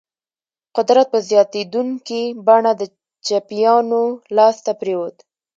قدرت په زیاتېدونکي بڼه د چپیانو لاس ته پرېوت.